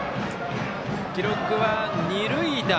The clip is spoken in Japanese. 記録は二塁打。